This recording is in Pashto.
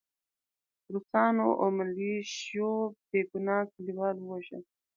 روسانو او ملیشو بې ګناه کلیوال ووژل